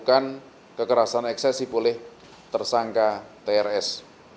melakukan kekerasan eksesif oleh tersangka trs